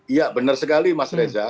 iya benar sekali mas reza